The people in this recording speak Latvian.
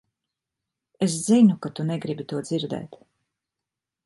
Es zinu, ka tu negribi to dzirdēt.